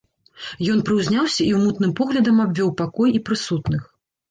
Ён прыўзняўся і мутным поглядам абвёў пакой і прысутных.